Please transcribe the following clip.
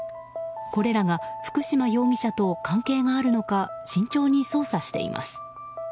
これらが福嶋容疑者と関係があるのか慎重に捜査しています。